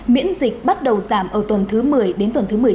miễn dịch bắt đầu giảm ở tuần thứ một mươi đến tuần thứ một mươi tám